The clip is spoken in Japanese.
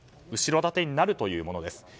後ろ盾になるというものです。